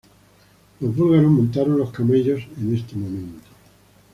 Los búlgaros montaron los camellos en este momento.